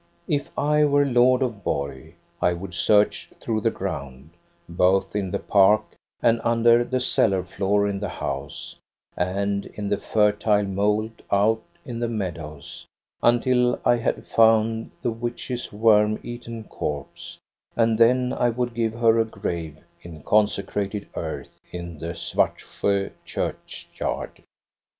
If I were lord of Borg I would search through the ground, both in the park and under the cellar floor in the house, and in the fertile mould out in the meadows, until I had found the witch's worm eaten corpse, and then I would give her a grave in consecrated earth in the Svartsjo church yard.